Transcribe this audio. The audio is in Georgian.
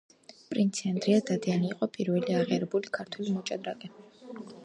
პრინცი ანდრია დადიანი იყო პირველი აღიარებული ქართველი მოჭადრაკე